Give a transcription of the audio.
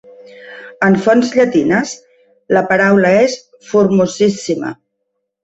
En fonts llatines, la paraula és "formosissima".